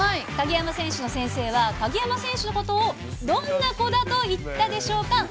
鍵山選手の先生は、鍵山選手のことをどんな子だと言ったでしょうか？